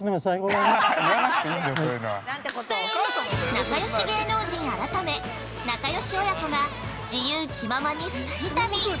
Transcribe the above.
◆仲よし芸能人改め仲よし親子が自由気ままに二人旅。